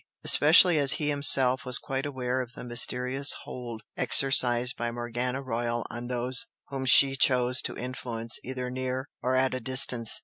Especially as he himself was quite aware of the mysterious "hold" exercised by Morgana Royal on those whom she chose to influence either near or at a distance.